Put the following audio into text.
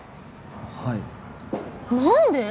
はい何で？